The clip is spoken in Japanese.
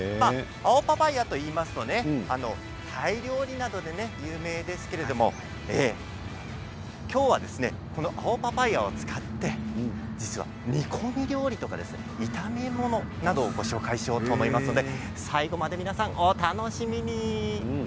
青パパイアといいますとタイ料理などで有名ですけれども今日は青パパイアを使って実は煮込み料理とか炒め物などをご紹介しようと思いますので最後までお楽しみに。